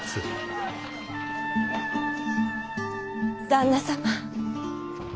旦那様。